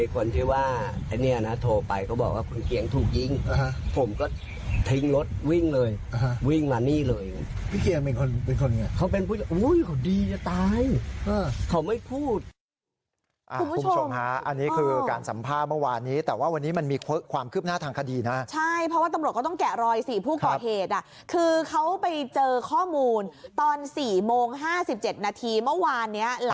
เขาเป็นผู้หญิงอุ้ยเขาดีจะตาย